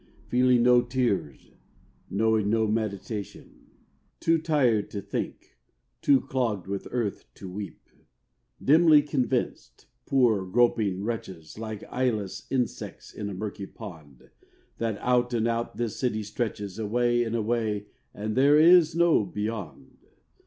Feeling no tears, knowing no meditation Too tired to think, too clogged with earth to weep. Dimly convinced, poor groping wretches, Like eyeless insects in a murky pond That out and out this city stretches, Away, away, and there is no beyond.